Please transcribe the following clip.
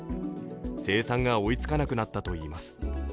生産が追いつかなくなったといいます。